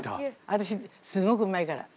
私すんごくうまいから。